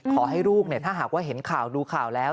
ขอให้ลูกถ้าหากว่าเห็นข่าวดูข่าวแล้ว